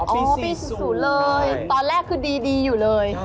ปี๐๐เลยตอนแรกคือดีอยู่เลย